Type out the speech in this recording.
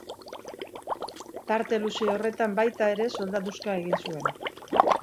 Tarte luze horretan baita ere soldaduska egin zuen.